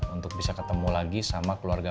untuk bisa ketemu lagi sama keluarga